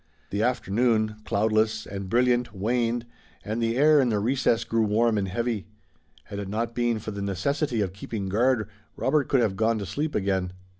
The afternoon, cloudless and brilliant, waned, and the air in the recess grew warm and heavy. Had it not been for the necessity of keeping guard Robert could have gone to sleep again.